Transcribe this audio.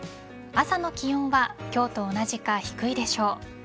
朝の気温は今日と同じか低いでしょう。